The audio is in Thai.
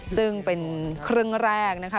ซึ่งเป็นครึ่งแรกนะคะ